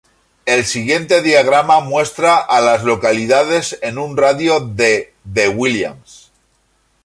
El siguiente diagrama muestra a las localidades en un radio de de Williams.